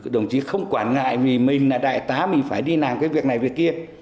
đồng chí không quản ngại vì mình là đại tá mình phải đi làm cái việc này việc kia